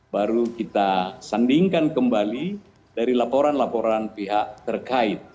baru kita sandingkan kembali dari laporan laporan pihak terkait